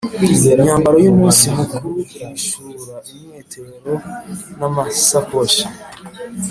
imyambaro y’umunsi mukuru, ibishura, imyitero n’amasakoshi